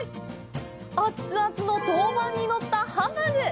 熱々の陶板にのったハンバーグ。